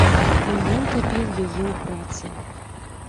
І ён тапіў яе ў працы.